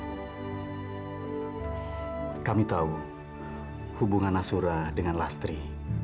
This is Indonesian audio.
mas surah kami tahu hubungan mas surah dengan lastri